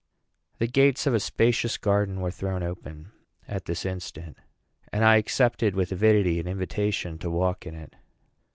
The gates of a spacious garden were thrown open at this instant, and I accepted with avidity an invitation to walk in it.